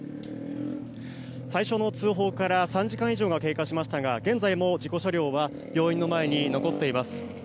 最初の通報から３時間以上が経過しましたが現在も事故車両は病院の前に残っています。